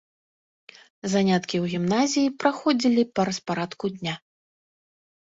Заняткі ў гімназіі праходзілі па распарадку дня.